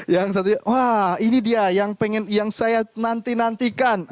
yang satu wah ini dia yang pengen yang saya nanti nantikan